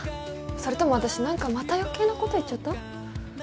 それとも私何かまた余計なこと言っちゃった？